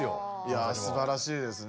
いやすばらしいですね。